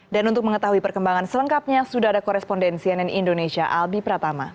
dan untuk mengetahui perkembangan selengkapnya sudah ada korespondensi ann indonesia albi pratama